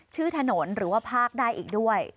ถนนหรือว่าภาคได้อีกด้วย